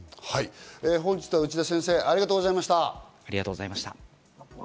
本日は内田先生、ありがとうございました。